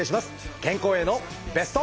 健康へのベスト。